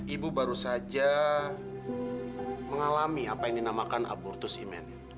ibu baru saja mengalami apa yang dinamakan abortus iman